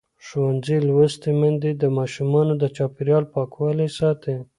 ښوونځې لوستې میندې د ماشومانو د چاپېریال پاکوالي ساتي.